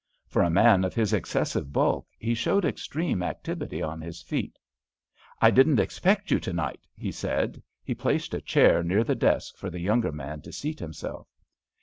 For a man of his excessive bulk he showed extreme activity on his feet. "I didn't expect you to night," he said. He placed a chair near the desk for the younger man to seat himself.